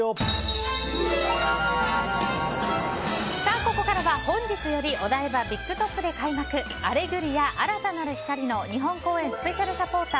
ここからは、本日よりお台場ビッグトップで開幕「アレグリア‐新たなる光‐」の日本公演スペシャルサポーター